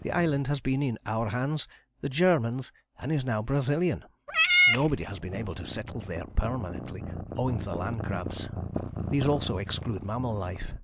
The island has been in our hands, the Germans', and is now Brazilian. Nobody has been able to settle there permanently, owing to the land crabs. These also exclude mammal life.